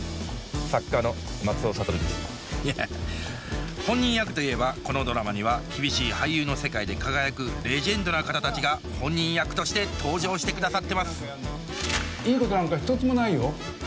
いや本人役といえばこのドラマには厳しい俳優の世界で輝くレジェンドな方たちが本人役として登場してくださってますいいことなんか一つもないよ。